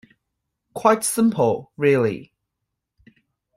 Quite simple, really.